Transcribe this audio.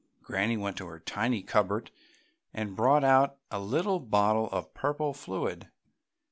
Granny went to her tiny cupboard and brought out a little bottle of purple fluid.